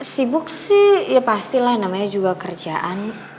sibuk sih ya pastilah namanya juga kerjaan